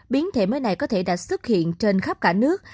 biến thể mới này có thể đã xuất hiện trên khắp cả nước